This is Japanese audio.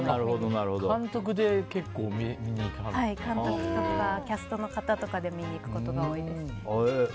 監督とかキャストの方で見に行くことが多いです。